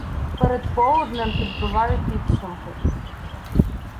Перед полуднем підбиваю підсумки.